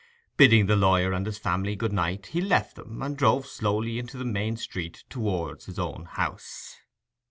Bidding the lawyer and his family good night he left them, and drove slowly into the main street towards his own house.